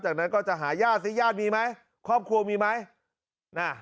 จากนั้นก็จะหาญาติสิญาติมีไหมครอบครัวมีไหมน่ะ